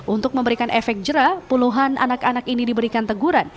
untuk memberikan efek jerah puluhan anak anak ini diberikan teguran